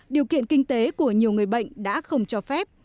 điều kiện kinh tế của nhiều người bệnh đã không cho phép